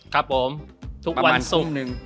ครับผมประมาณทุ่มนึง